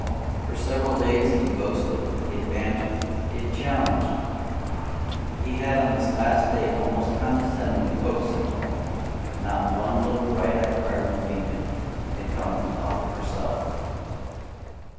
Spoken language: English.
For several days he had boasted, he had bantered, he had challenged, he had on this last day almost condescended to coaxing, but not one little bright eyed cardinal female had come to offer herself.